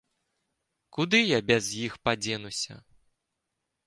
Куды я без іх падзенуся?!